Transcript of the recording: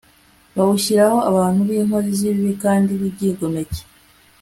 bawushyiramo abantu b'inkozi z'ibibi kandi b'ibyigomeke